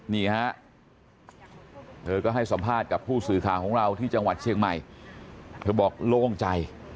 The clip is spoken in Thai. นี่ฮะเธอก็ให้สัมภาษณ์กับผู้สื่อข่าวของเรา